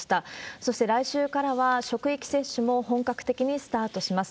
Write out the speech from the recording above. そして来週からは職域接種も本格的にスタートします。